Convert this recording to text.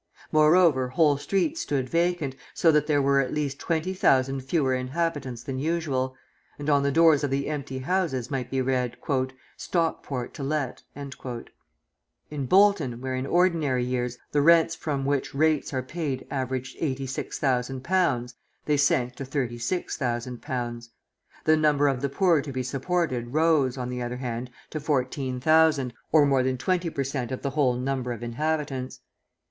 Moreover, whole streets stood vacant, so that there were at least twenty thousand fewer inhabitants than usual, and on the doors of the empty houses might be read: "Stockport to let." In Bolton, where, in ordinary years, the rents from which rates are paid average 86,000 pounds, they sank to 36,000 pounds. The number of the poor to be supported rose, on the other hand, to 14,000, or more than twenty per cent. of the whole number of inhabitants.